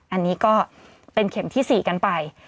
อันนี้ก็เป็นเข็มที่๔กันไป